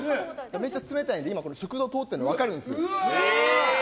めっちゃ冷たいので今、食道を通ってるのが分かるんです。